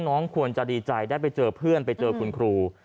น้องควรจะดีใจได้ไปเจอเพื่อนไปเจอคุณครู